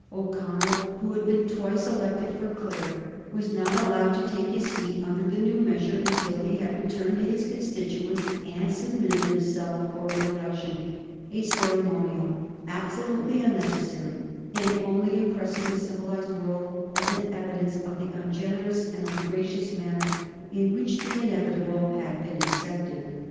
O'Connell, who had been twice elected for Clare, was not allowed to take his seat under the new measure until he had returned to his constituents and submitted himself for re election a ceremonial absolutely unnecessary, and only impressing the civilized world as an evidence of the ungenerous and ungracious manner in which the inevitable had been accepted.